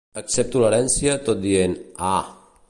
Accepto l'herència tot dient: ah.